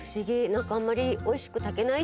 なんかあんまり。